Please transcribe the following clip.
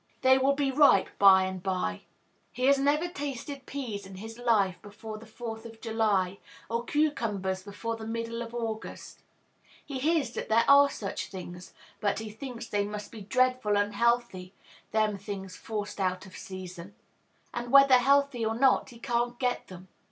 They will be ripe by and by. He never tasted peas in his life before the Fourth of July, or cucumbers before the middle of August. He hears that there are such things; but he thinks they must be "dreadful unhealthy, them things forced out of season," and, whether healthy or not, he can't get them.